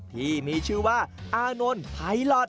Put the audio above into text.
ที่มีชื่อว่าอานนท์ไผลลอด